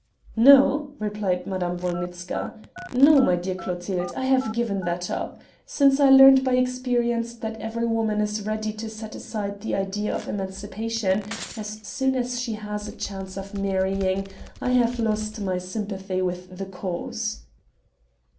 "No," replied Madame Wolnitzka, "no, my dear Clotilde, I have given that up. Since I learnt by experience that every woman is ready to set aside the idea of emancipation as soon as she has a chance of marrying I have lost my sympathy with the cause."